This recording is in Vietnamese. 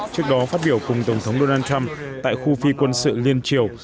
trước đó phát biểu cùng tổng thống donald trump tại khu phi quân sự liên triều